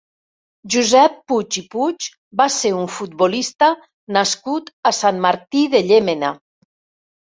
Josep Puig i Puig va ser un futbolista nascut a Sant Martí de Llémena.